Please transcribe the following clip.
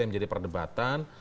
yang menjadi perdebatan